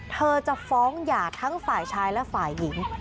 เธอจะฟ้องหย่าทั้งฝ่ายชายและฝ่ายหญิง